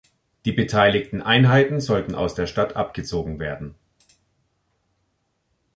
Die beteiligten Einheiten sollten aus der Stadt abgezogen werden.